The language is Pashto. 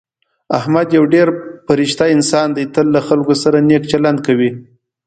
احمد یو ډېر فرشته انسان دی. تل له خلکو سره نېک چلند کوي.